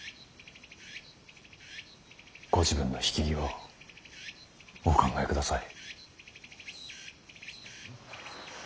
ご自分の引き際をお考えください。